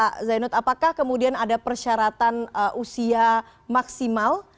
pak zainud apakah kemudian ada persyaratan usia maksimal